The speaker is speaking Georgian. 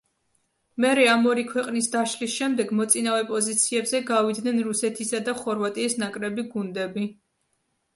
მერე ამ ორი ქვეყნის დაშლის შემდეგ მოწინავე პოზიციებზე გავიდნენ რუსეთისა და ხორვატიის ნაკრები გუნდები.